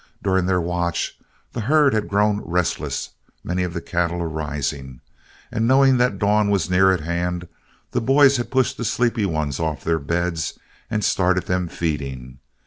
During their watch the herd had grown restless, many of the cattle arising; and knowing that dawn was near at hand, the boys had pushed the sleepy ones off their beds and started them feeding.